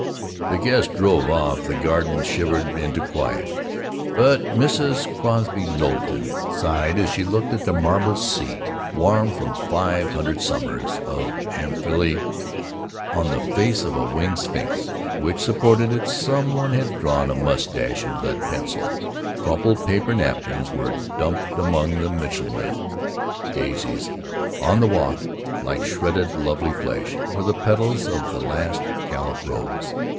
The guests drove off; the garden shivered into quiet. But Mrs. Crosby Knowlton sighed as she looked at a marble seat warm from five hundred summers of Amalfi. On the face of a winged sphinx which supported it some one had drawn a mustache in lead pencil. Crumpled paper napkins were dumped among the Michaelmas daisies. On the walk, like shredded lovely flesh, were the petals of the last gallant rose.